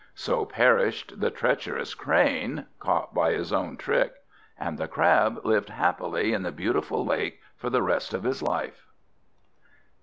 So perished the treacherous Crane, caught by his own trick. And the Crab lived happily in the beautiful lake for the rest of his life.